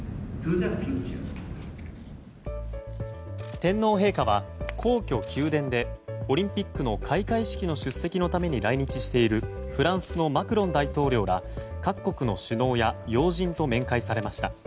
天皇陛下は皇居・宮殿でオリンピックの開会式の出席のために来日しているフランスのマクロン大統領ら各国の首脳や要人と面会されました。